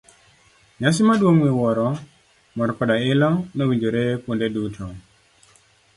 Nyasi maduong' miwuoro, mor koda ilo nowinjore kuonde duto.